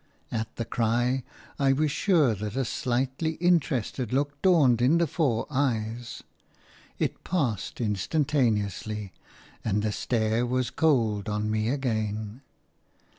At the cry I was sure that a slightly interested look dawned in the four eyes; it passed instantaneously, and the stare was cold on me again.